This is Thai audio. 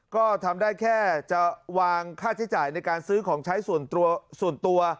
ก็ทำได้แค่จะวางค่าใช้จ่ายในการซื้อของใช้ส่วนตัวส่วนตัว